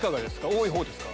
多いほうですか？